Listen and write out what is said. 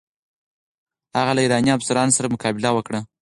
هغه له ایراني افسرانو سره مقابله وکړه.